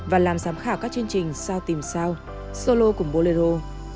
và làm giám khảo các chương trình sau tìm sao solo cùng bolero